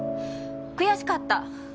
悔しかった。